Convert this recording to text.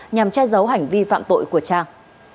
nhằm che giấu hành vi phạm tội của trang